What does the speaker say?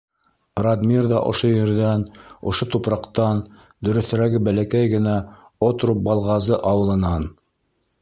Радмир ҙа ошо ерҙән, ошо тупраҡтан, дөрөҫөрәге, бәләкәй генә Отруб-Балғазы ауылынан.